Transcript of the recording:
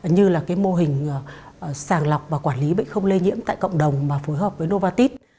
như là cái mô hình sàng lọc và quản lý bệnh không lây nhiễm tại cộng đồng mà phối hợp với novatis